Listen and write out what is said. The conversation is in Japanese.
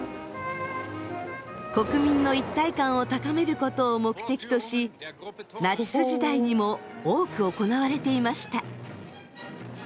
国民の一体感を高めることを目的としナチス時代にも多く行われていました。